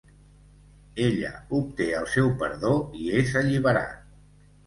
Ella obté el seu perdó i és alliberat.